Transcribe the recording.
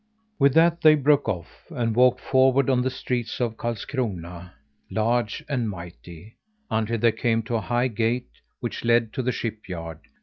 With that they broke off and walked forward on the streets of Karlskrona large and mighty until they came to a high gate, which led to the shipyard.